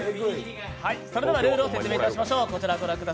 それではルールを説明いたしましょう。